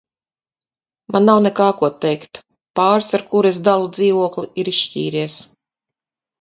Man nav nekā, ko teikt. Pāris, ar kuru es dalu dzīvokli, ir izšķīries.